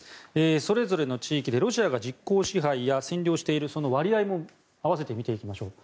それぞれの地域でロシアが実効支配や占領している割合を見ていきましょう。